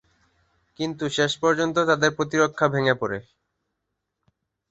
কিন্তু শেষ পর্যন্ত তাদের প্রতিরক্ষা ভেঙে পড়ে।